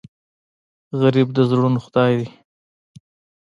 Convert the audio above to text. غریب د زړونو خدای دی